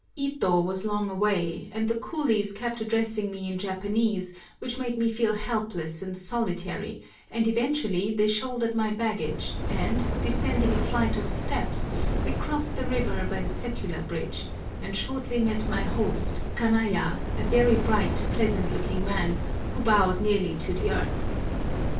Ito was long away, and the coolies kept addressing me in Japanese, which made me feel helpless and solitary, and eventually they shouldered my baggage, and, descending a flight of steps, we crossed the river by the secular bridge, and shortly met my host, Kanaya, a very bright, pleasant looking man, who bowed nearly to the earth.